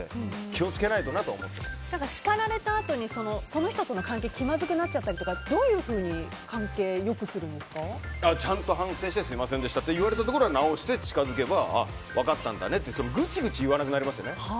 気を付けないとなとは叱られたあとにその人との関係気まずくなっちゃったりとかどういうふうにちゃんと反省してすみませんでしたと言われたところは直して近づけば分かったんだねってぐちぐち言わなくなりますよね。